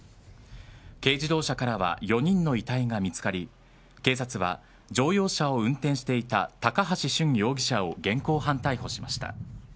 軽自動車からは４人の遺体が見つかり警察は、乗用車を運転していた高橋俊容疑者を現行犯逮捕しました。